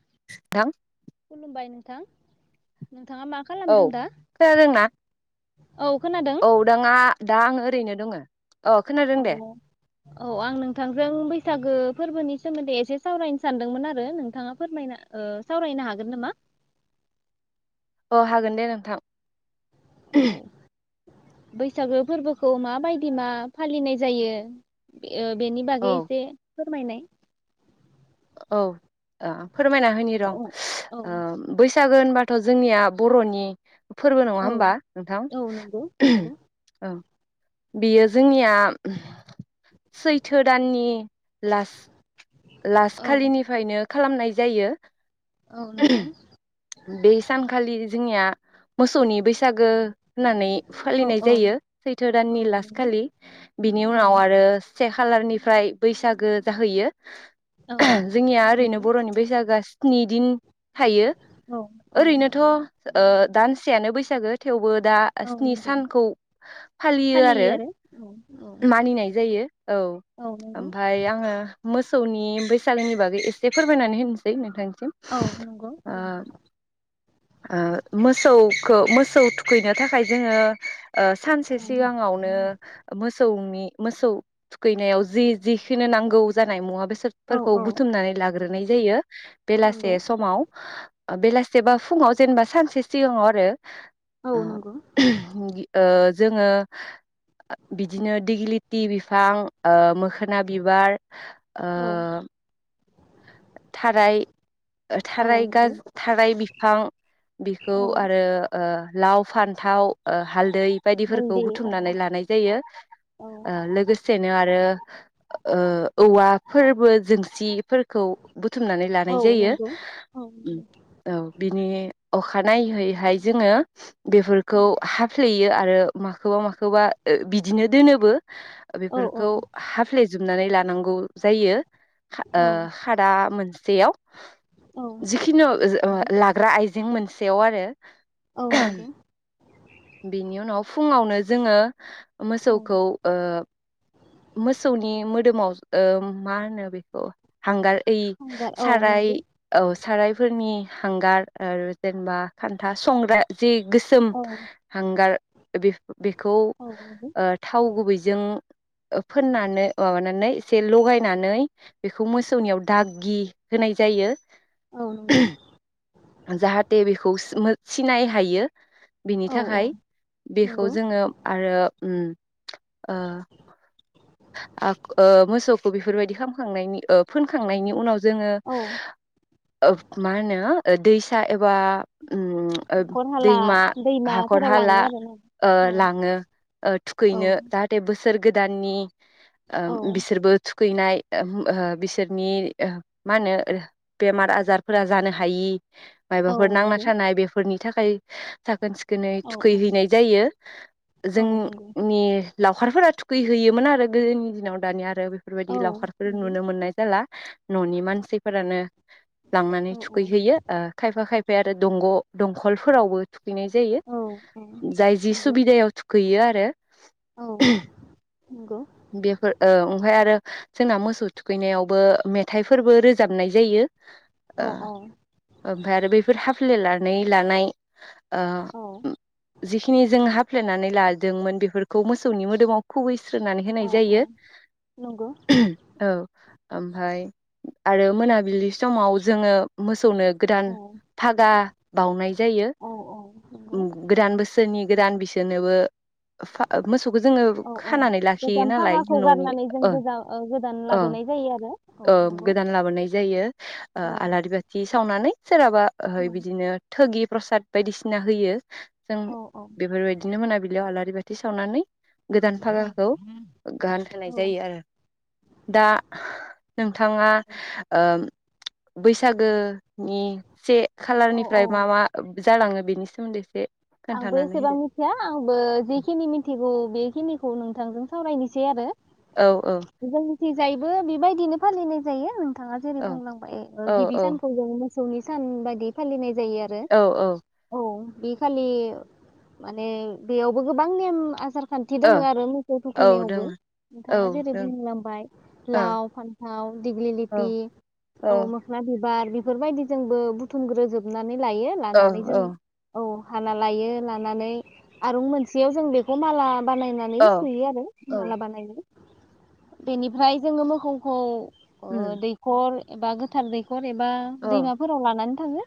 [unintelligible] खुलुमबाय नोंथां नोंथाङा मा खालामदों दा औ खोनादों औदाङा दा आङो रैनो दङो अ खोनादों औ दे औ आं नोंथांजों बै बैसागो फोरबोनि सोमोन्दै एसे सावरायनो सानदोंमोन आरो नोंथाङा फोरमायना ओ सावरायनो हागोन नामा अ हागोन दे नोंथां औ बैसागो फोरबोखौ माबायदि मा फालिनाय जायो ओ बेनि औ बागै एसे फोरमायनाय औ आ फोरमायना होनि र ओ औ औ बै बैसागो होनबाथ' जोंनिया बर'नि फोरबो नङा होमबा नोंथां औ नंगौ नंगौ औ बेयो जोंनिया सैथो दाननि लास लास्ट औ खालिनिफ्रायनो खालामनाय जायो ओ नंगौ बे सानखालि जोंनिया मोसौनि बैसागो होननानै औ फालिनाय औ जायो सैथो औ दाननि लास्ट नंगौ खालि बिनि औ उनाव आरो से खालारनिफ्राय बैसागो जाहैयो औ जोंनिया ओरैनो नंगौ बर'नि बैसागोआ स्नि दिन थायो औ औ ओरैनोथ' ओ दानसेयानो बैसागो थेवबो दा औ स्नि नंगौ सानखौ फालियो आरो मानिनाय जायो औ औ नंगौ ओमफाय आङो मोसौनि बैसागोनि बागै एसे फोरमायनानै होनसै नोंथां औ नंगौ ओं ओ मोसौखौ मोसौ थुखैनो थाखाय जोङो ओ औ सानसे सिगाङावनो मोसौनि मोसौ थुखैनायाव जि जिखो नांगौ जानाय मुवा बे सादफो औ फोरखौ औ बुथुमनानै लाग्रोनाय जायो नंगौ बेलासे समाव बेलासेबा फुङाव जेनेबा सानसे सिगाङाव आरो औ नंगौ ओ गि ओ जोङो बिदिनो दिग्लिथि बिफां ओ मोखोना बिबार ओ औ थाराय औ थाराय नंगौ गाजो थाराय बिफां बेखौ औ आरो लाव फान्थाव हाल दै बायदिफोरखौ हालदै औ बुथुमनानै लानाय जायो औ ओ लोगोसेनो आरो बे ओ औवा फोरबो जोंसिफोरखौ बुथुमनानै औ लानाय जायो नंगौ औ नंगौ औ बिनि अखानायैैहाय जोङो औ बेफोरखौ हाफ्लेयो बि आरो माखौबा माखौबा बिदिनो दोनोबो औ बेफोरखौ हाफ्ले जोबनानै लानांगौ जायो औ ओ दा मोनसेयाव औ जिखिुनु नंगौ लाग्रा आइजें मोनसे सेव आरो औ नंगौ बेनि उनाव फुङावनो जोङो औ मोसौखौ ओ मोसौनि मोदोमाव ओ मा होनो बेखौ हांगार ओइ हांगार औ साराय नंगौ औ सारायफोरनि हांगार आरो जेनेबा खान्था संग्रा जि गोसोम औ गार बेखौ औ नंगौ ओ थाव गुबैजों फोननानै माबानानै से लगायनानै बेखौ मोसौनियाव दागि होनाय जायो औ नंगौ जाहाथे बेखौ सिनाय हायो औ औ थाखाय बेखौ नंगौ जोङो आरो उम ओ ओ मोसौखौ बेफोरबायदि खालामखांनायनि ओ फोनखांनायनि उनाव जोङो औ मा होनो दैसा एबा उम हाखर हाला दैमा हाखर दैमाफोराव लाङो हाला आरोना ओ औ लाङो ओ औ थुखैनो जाहाथे बोसोर गोदाननि ओ औ बिसोरबो थु गैनाय बिसोरनि मा होनो बेमार आजारफोरा जानो हायि औ मायबाफोर नांना नंगौ थानाय बेफोरनि थाखाय साखोन सिखोनै औ औ थुखैहैनाय जायो औ नंगौ जोंनि लावखारफोरा थुखैहैयोमोन आरो गोदोनि दिनाव दानिया आरो औ बेफोरबायदि लावखारफोर नंगौ नुनो मोननाय जाला न'नि मानसिफोरानो लांनानै औ औ थुखैहैयो ओ खायफा खाय ओमफाय आरो दंग' दंखलफोरावबो थुखैनाय जायो औ औ जाय जि नंगौ सुबिदायाव थुखैयो आरो औ नंगौ फोर ओ ओमफ्राय आरो जोंना मोसौ थुखैनायावबो मेथाइफोरबो रोजाबनाय जायो औ ओ औ ओमफ्राय आरो बैफोर हाफ्लेला नै लानाय ओ औ जिखिनि जों हाफ्लेनानै ला दोंमोन बेफोरखौ मोसौनि मोदोमाव खुबैस्रोनानै औ औ जायो नंगौ औ ओमफ्राय आरो मोनाबिलि समाव जोङो मोसौनो गोदान औ फागा बाउनाय जायो औ औ नंगौ उम गोदान बोसोरनि गोदान बिसोरनोबो मोसौखौ जोङो औ औ खानानै लाखि थियो गोजाम नालाय फागाखौ न'नि गारनानै जों ओ गोजा गोदान ओ लाबोनाय जायो आरो औ ओ नंगौ गोदान लाबोनाय जायो औ आलारि बाथि सावनानै सोरहाबा ओहै औ बिदिनो थोगि प्रसाद बायदिसिना होयो जों औ औ बेफोरबायदिनो मोनाबिलियाव आलारि बाथि सावनानै गोदान फागाखौ गान होनाय औ जायो आरो दा नोंथाङा ओ बैसागोनि से औ खालारनिफ्राय मा औ मा जालाङो बेनि सोमोनदै एसे आंबो खोन्थानानै एसेबां होदो मिथिया आंबो जिखिनि मिथिगौ बेखिनिखौ नों थांजों सावरायनोसै आरो औ औ थिंजायबो बेबायदिनो फालिनाय जायो नोंथाङा जेरै औ बुंलांबाय ओ औ गिबि औ सानखौ जों मोसौनि सान बायदि फालिनाय जायो आरो औ बे खालि माने बेयावबो गोबां नेम आसार खान्थि ओ दोङो आरो मोसौ औ थुखैनायावबो दोङो औ नोंथाङा जेरै दों बुंलांबाय ओ लाव फान्थाव दिग्लिलिथि औ औ मोखना बि बार बेफोरबायदि जोंबो बुथुमग्रोजोबना नै लायो औ लानानै जों औ हाना लायो लानानै आरूं मोनसेयाव जों बेखौ माला बानायनानै औ सुयो आरो औ माला बानायो बेनिफ्राय जोङो मोखौखौ ओ उम दैखर एबा गोथार दै एबा औ दैमाफोराव लानानै थाङो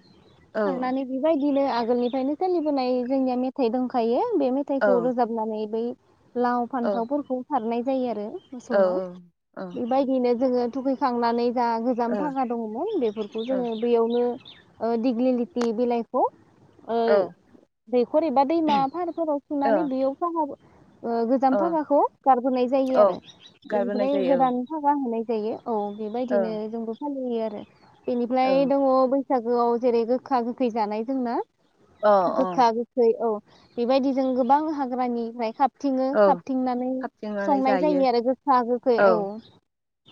औ थांननै बिबाय दिनो आगोलनिफायनो सोलिबोनाय जोंनिया मेथाइ दोंखायो बे औ मेथाइखौ रोजाबनानै बै लाव फान्थावफोरखौ सारनाय जायो आरो औ मोसौनाव औ ओ बेबायदिनो जोङो थुखैखांनानै जा गोजाम फागा दङमोन बेफोरखौ जोङो दैयावनो ओ दिग्लि लिति बिलाइखौ ओइ ओ दैखर एबा दैमा फारफोराव औ सोंनानै बेयाव फां म [unintelligible] ओ गोजाम भागाखौ गारबोनाय जायो औ आरो गारबोनाय इनिफ्राय जायो गोदान फागा होनाय जायो औ औ बेबायदिनो जोंबो फालि [unintelligible] आरो औ इनिफ्राय दङ बै बैसागोआव जेरै गोखा गोखै जानाय जोंना अ गोखा गोखै औ बेबायदि जों गोबां हाग्रानिफ्राय खा खाबथिङो औ खाबथिंनानै संनाय जायो आरो गोखा गोखै औ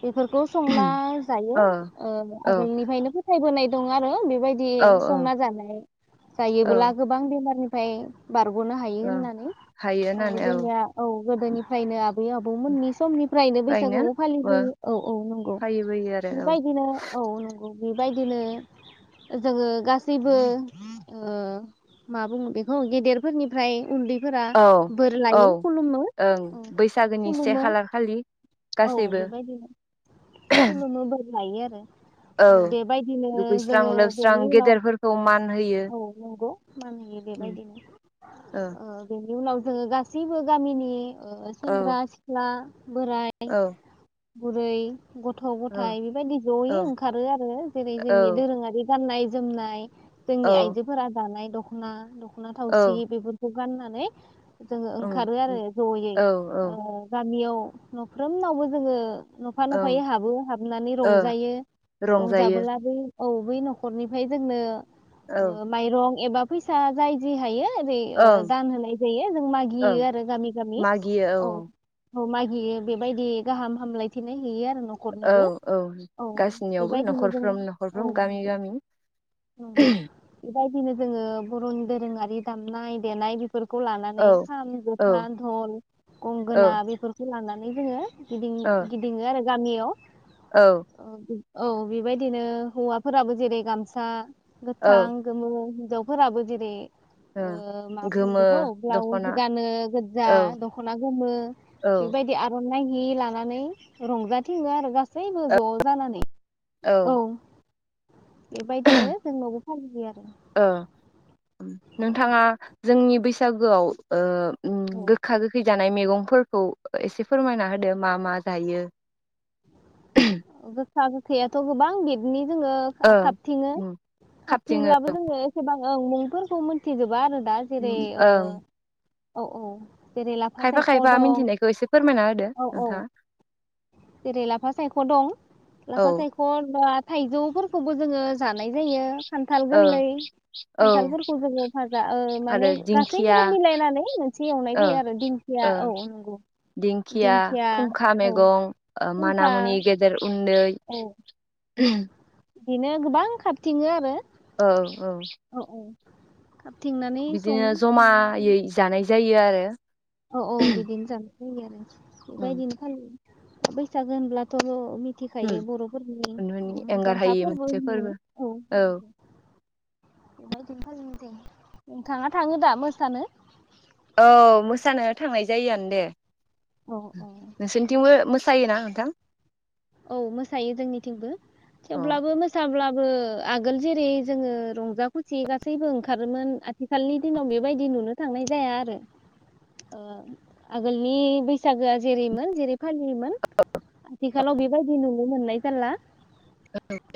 बेफोरखौ संना जायो औ ओ औ आगोलनिफ्रायनो फोथाय बोनाय दं आरो बे बेबायदि औ औ संना जानाय जायोब्ला औ गोबां बेमारनिफाय बारग'नो हायो औ होननानै हायो औ होननानै जोंनिया औ गोदोनिफ्रायनो आबै आबौमोननि समनि फ्रायनो बैसागुखौ ओ फालिबोयो औ औ नंगौ फालिबोयो आरो औ बेबायदिनो औ नंगौ बेबायदिनो जोङो गासैबो ओ मा बुङो बेखौ गेदेरफोरनिफ्राय उन्दै फोरा औ बोर औ लायो खुलुमो ओं बैसागोनि से खुलुमो खालार खालि औ गासैबो बेबायदिनो खुलुमो लायो आरो औ बेबायदिनो दुगैस्रां जोङो लोबस्रां बेनि उनाव गेदेरफोरखौ मान होयो मान होयो बेबायदिनो औ ओ बेनि उनाव जोङो गासैबो गामिनि ओ औ सेंग्रा सिख्ला बोराय औ बुरै गथ' औ गथाय बेबायदि जयै औ ओंखारो आरो जेरै औ जोंनि दोरोङारि गान्नाय जोमनाय औ जोंनि आइजोफोरा जानाय दखना दख'ना थावसि बेफोरखौ गाननानै जोङो ओं ओंखारो आरो औ जयै ओ औ गामियाव न'फ्रोमनावबो जोङो नफा नफायै ओं हाबो हाबनानै ओ रंजायो रंजायो रंजाबोलाबो औ बै न'खरनिफ्राय जोंनो औ ओ माइरं एबा फैसा जाय जि हायो ओरै ओ ओं दान होनाय जायो जों ओं मागियो आरो गामि गामि औ औ मागियो बेबायदि गाहाम हामलायथिनाय हैयो आरो औ न'खरनोबो औ गासिनियावबो बेबायदिनो जोङो न'खरफ्रोम औ न'खरफ्रोम गामि गामि नंगौ बेबायदिनो जोङो बर'नि दोरोङारि दामनाय देनाय फोरखौ लानानै औ खाम औ जथा दल औ गंगोना बेफोरखौ लानानै नानै जोङो गिदिं ओ गिदिङो आरो गामियाव औ अ बि औ बेबायदिनो हौवाफोराबो जेरै गामस सा औ गोथां गोमो हिनजावफोराबो जेरै ओ माब बुङो गोमो बेखौ ब्लाउस दख'ना गानो गोजा औ दख'ना गोमो औ बेबायदि आर'ना नाय हि लानानै रंजाथिंयो आरो गासै सैबो ज' जानानै औ बेबायदिनो जोंनावबो फालियो आरो ओ नोंथाङा जोंनि बैसागोआव ओ उम औ गोखा गोखै जानाय मैगंफोरखौ एसे फोरमायना होदो मा मा जायो गोखा गोखैयाथ' गोबां बिबनि ओ जोङो ओं खाबथिङो उम खाबथिङो खाबथिंब्लाबो जोङो एसेबां ओं मुंफोरखौ मोनथिजोबा आरो दा जेरै उम ओ ओं औ औ जेरै लाफा खायफा सायख' खायफा दं मिनथिनायखौ एसे फोरमायना होदो औ औ नोंथाङा जेरै लाफा सायख' दं औ लाफा सायख' दा थाइजौफोरखौ खौ जोङो जानाय जायो खान्थाल ओ गोरलै औ खान्थालफोरखौ जोङो भाजा ओ माने आरो दिंखिया गासैखौबो मिलायनानै मोनसे एवनाय ओ जायो आरो दिंखिया ओ औ नंगौ दिंखिया औ माना फुंखा मुनि गेदेर उन्दै औ बिदिनो गोबां खाबथिङो आरो औ औ खाबथिंनानै बिदिनो सङो संनानै जमायै जानाय जायो आरो। औ औ बिदिनो जाग [unintelligible] आरो उम बेबायदिनो फालि बैसागो होनब्लाथ' मिथिखायो बर'फोरनि उम एंगार मुंदांखा हायि फोरबो मोनसे होनो औ बेबायदिनो नोंथाङा थाङो दा मोसानो? औ मोसानो थांनाय जायोआनो दे। औ औ नोंसोरनिथिंबो मोसायोना दा औ मोसायो जोंनिथिंबो अ औ थेवब्लाबो मोसाब्ला आगोल जेरै जोङो रंजा खुसि गैबो ओंखारोमोन आथिखालनि दिनाव बेबायदि नुनो थांनाय ज आरो आगनि बैसागोआ जेरै जेरै फालियोमोन। आथिखालाव बेबायदि नुनो मोननाय जाला।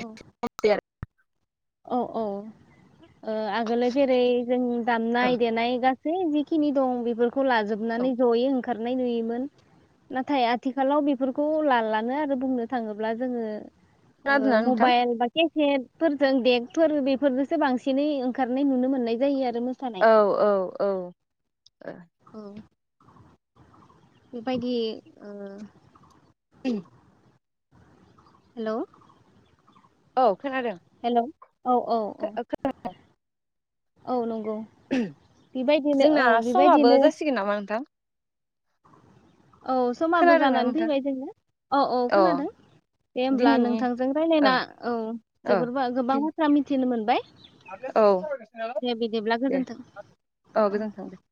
औ औ औ ओ आगोल जेरै जों दामनाय देनाय गासैबो जिखिनि दं बे खौ औ लाजोबनानै जयै ओंखारनाय नुयोमोन नाथाय आथिखालाव बेफोरखौ लालानो आरो बुंनो थाङोब्ला जोङो। ओ खोनादोंना नोंथां मबाइल [unintelligible] [unintelligible] जों देगफोर बेफोरजोंसो बांसिनै ओंखारनाय नुनो मोननाय जायो आरो। मोसानाय औ औ औ बेबायदि ओ [unintelligible] हेलौ औ खोनादों हेलौ औ औ औ औ नंगौ बेबायदिनो जोंना औ समाबो बेबायदिनो जासिगोन नामा नोंथां? औ समाबो खोनादोंना जानानै नोंथां फैबाय जोङो औ औ अ खोनादों दे होमब्ला दिनैनि नोंथांजों ओ रायज्लायना औ ओ जोबोरा गोबां बाथ्रा मिथिनो मोनदों। बाय औ दे औ गोजोन्थों। गोजोन्थों दे।